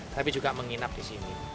tapi juga menginap di sini